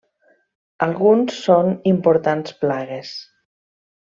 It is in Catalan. Alguns són importants plagues.